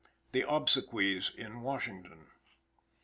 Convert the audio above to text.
THE OBSEQUIES IN WASHINGTON.